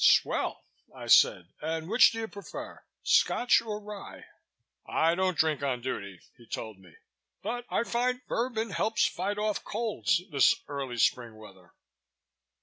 "Swell!" I said. "And which do you prefer Scotch or rye?" "I don't drink on duty," he told me, "but I find Bourbon helps fight off colds this early spring weather."